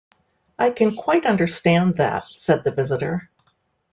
"I can quite understand that," said the visitor.